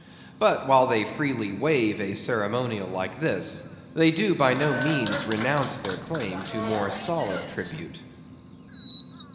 But while they freely waive a ceremonial like this, they do by no means renounce their claim to more solid tribute.